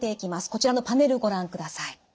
こちらのパネルご覧ください。